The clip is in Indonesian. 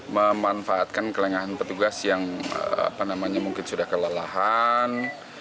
memanfaatkan kelengahan petugas yang mungkin sudah kelelahan